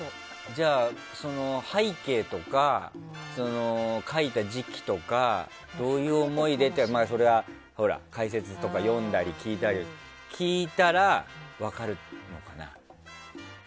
じゃあ、背景とか描いた時期とかどういう思いでとかそれは解説とかを読んだり聞いたら分かるのかな。